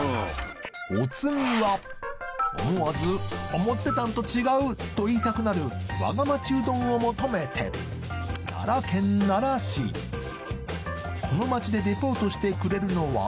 お次は思わず「思ってたんと違う！」と言いたくなるわが町うどんを求めて奈良県奈良市この町でレポートしてくれるのは？